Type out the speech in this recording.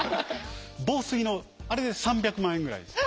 防水のあれで３００万円ぐらいです。